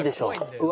「うわ！」